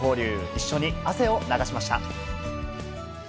一緒に汗を流しました。